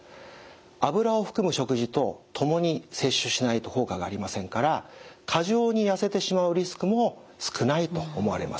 脂を含む食事と共に摂取しないと効果がありませんから過剰にやせてしまうリスクも少ないと思われます。